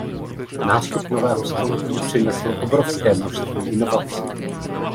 Nástup nového století přinesl obrovské množství inovací.